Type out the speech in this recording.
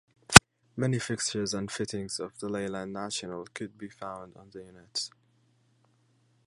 Many fixtures and fittings of the Leyland National could be found on the units.